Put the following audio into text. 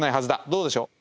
どうでしょう。